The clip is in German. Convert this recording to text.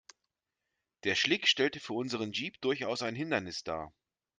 Der Schlick stellt für unseren Jeep durchaus ein Hindernis dar.